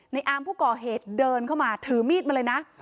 อาร์มผู้ก่อเหตุเดินเข้ามาถือมีดมาเลยนะ